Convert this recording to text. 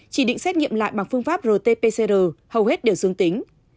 chỉ định xét nghiệm lại bằng phương pháp rt pcr hầu hết đều dương tính